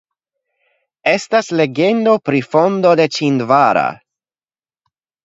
Estas legendo pri fondo de Ĉindvara.